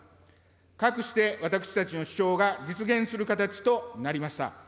かくして、私たちの主張が実現する形となりました。